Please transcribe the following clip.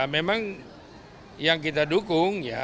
memang yang kita dukung ya